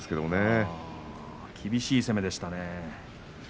翔猿、厳しい攻めでしたね。